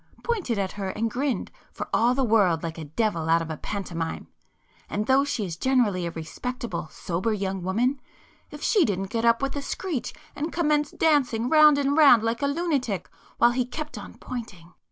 Pointed at her and grinned, for all the world like a devil out of a pantomime. And though she is generally a respectable sober young woman, if she didn't get up with a screech and commence dancing round and round like a lunatic, while he kept on pointing.